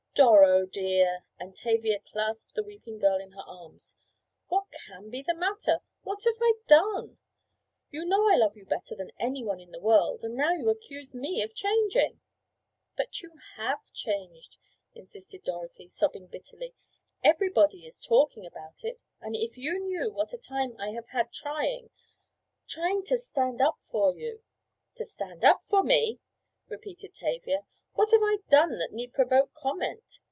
"Doro, dear," and Tavia clasped the weeping girl in her arms, "what can be the matter? What have I done? You know I love you better than anyone in the whole world, and now you accuse me of changing!" "But you have changed," insisted Dorothy, sobbing bitterly. "Everybody is talking about it. And if you knew what a time I have had trying—trying to stand up for you!" "To stand up for me!" repeated Tavia. "What have I done that need provoke comment?